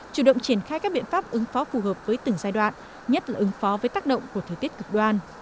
chủ động triển khai các biện pháp ứng phó phù hợp với từng giai đoạn nhất là ứng phó với tác động của thời tiết cực đoan